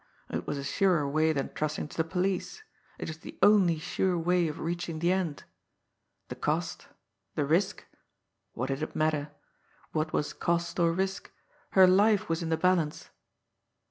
It was a surer way than trusting to the police it was the only sure way of reaching the end. The cost! The risk! What did it matter? What was cost, or risk! Her life was in the balance!